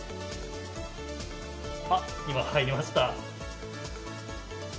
あっ、今、入りました。